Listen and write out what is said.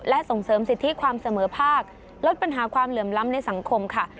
และส่งเสริมสิทธิความเสมอภาคลดปัญหาความเหลื่อมล้ำในสังคมค่ะ